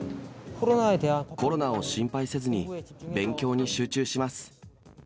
コロナを心配せずに勉強に集中します。